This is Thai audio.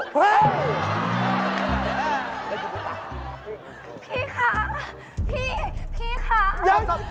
พี่คะพี่พี่คะ